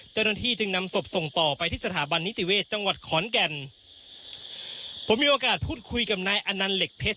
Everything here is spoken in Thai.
เจ้าหน้าที่จึงนำศพส่งต่อไปที่สถาบันนิติเวศจังหวัดขอนแก่นผมมีโอกาสพูดคุยกับนายอนันต์เหล็กเพชร